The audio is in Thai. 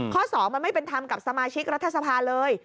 ๒มันไม่เป็นธรรมกับสมาชิกรัฐสภาเลย